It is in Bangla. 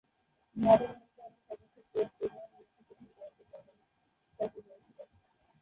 নটিংহ্যামশায়ারের সদস্য জেমস টেলরের নেতৃত্বাধীন দলটি বাংলাদেশ সফর করেছিল।